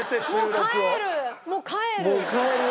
もう帰る？